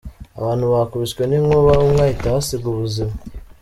Abantu bakubiswe n’inkuba umwe ahita ahasiga ubuzima